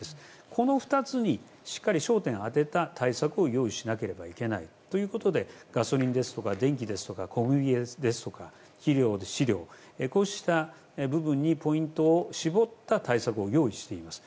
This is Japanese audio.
この２つにしっかり焦点を当てた対策を用意しなければいけないということでガソリンや電気、小麦肥料、飼料こうした部分にポイントを絞った対策を用意しています。